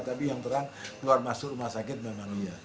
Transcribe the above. tapi yang terang keluar masuk rumah sakit memang iya